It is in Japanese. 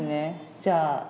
じゃあ。